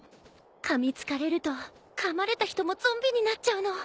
かみつかれるとかまれた人もゾンビになっちゃうの。